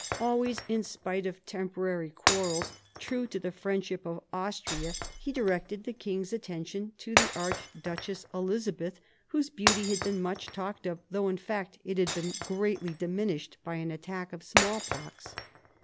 Always, in spite of temporary quarrels, true to the friendship of Austria, he directed the king's attention to the Archduchess Elizabeth, whose beauty had been much talked of, though in fact it had been greatly diminished by an attack of smallpox.